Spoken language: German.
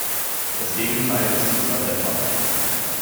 Das Gegenteil ist zurzeit der Fall.